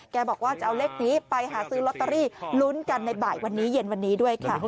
บอกว่าจะเอาเลขนี้ไปหาซื้อลอตเตอรี่ลุ้นกันในบ่ายวันนี้เย็นวันนี้ด้วยค่ะ